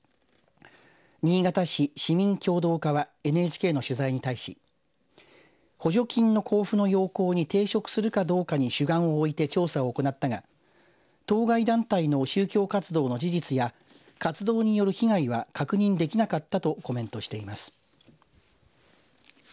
新潟市市民協働課はＮＨＫの取材に対し補助金の交付の要綱に抵触するかどうかに主眼をおいて調査を行ったが、当該団体の宗教活動の事実や活動による被害は確認できなかったとコメントしています。